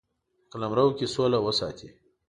په قلمرو کې سوله وساتي.